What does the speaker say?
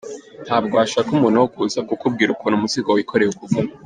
“Ntabwo washaka umuntu wo kuza kukubwira ukuntu umuzigo wikoreye ukuvuna.